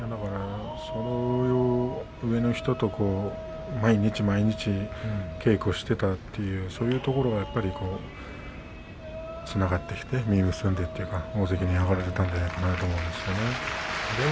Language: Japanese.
そういう上の人と毎日毎日、稽古をしていたそういうところがつながってきて、実を結んでというか大関に上がることができたんじゃないかと思うんです。